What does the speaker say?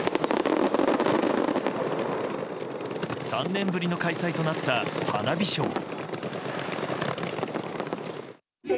３年ぶりの開催となった花火ショー。